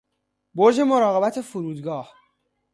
برج مراقبت فرودگاه